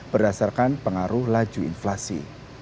berdasarkan pengaruh laju inflasi